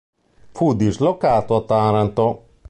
Fu dislocato a Taranto.